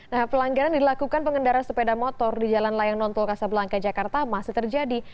nah pelanggaran dilakukan pengendara sepeda motor di jalan layang nontol kasablangka jakarta masih terjadi